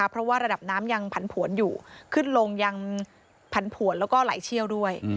เพราะว่าระดับน้ำยังผันผวนอยู่ขึ้นลงยังผันผวนแล้วก็ไหลเชี่ยวด้วย